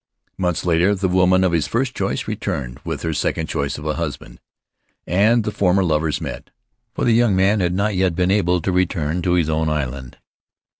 Months later, the woman of his first choice returned with her second choice of a husband; and the former lovers met, for the young man had not yet been able to return to his own island.